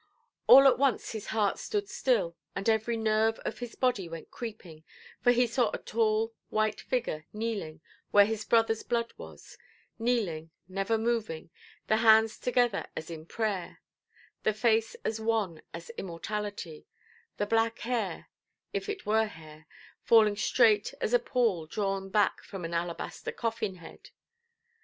All at once his heart stood still, and every nerve of his body went creeping—for he saw a tall, white figure kneeling where his brotherʼs blood was—kneeling, never moving, the hands together as in prayer, the face as wan as immortality, the black hair—if it were hair—falling straight as a pall drawn back from an alabaster coffin–head.